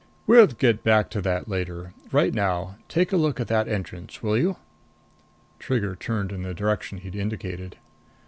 "We'll get back to that later. Right now, take a look at that entrance, will you?" Trigger turned in the direction he'd indicated.